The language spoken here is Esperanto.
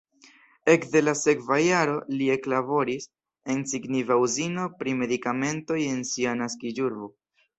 Ekde la sekva jaro li eklaboris en signifa uzino pri medikamentoj en sia naskiĝurbo.